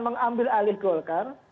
mengambil alih golkar